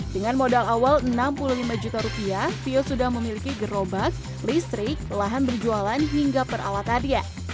dengan modal awal enam puluh lima juta rupiah fio sudah memiliki gerobak listrik lahan berjualan hingga peralatannya